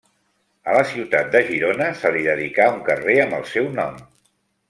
A la ciutat de Girona se li dedicà un carrer amb el seu nom.